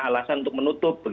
alasan untuk menutup